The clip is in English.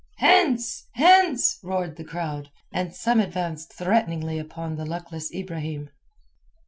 "Hence! hence!" roared the crowd, and some advanced threateningly upon the luckless Ibrahim.